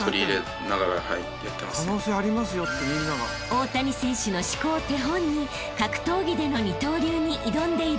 ［大谷選手の思考を手本に格闘技での二刀流に挑んでいるのです］